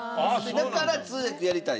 だから通訳やりたい。